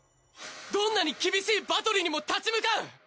どんなに厳しいバトルにも立ち向かう。